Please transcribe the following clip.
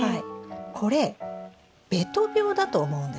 これべと病だと思うんですが。